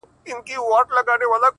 • چي اغږلی یې په خټه کي عادت دی ,